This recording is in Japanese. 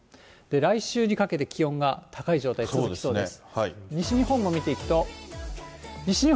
来週にかけて気温が高い状態続きそうです。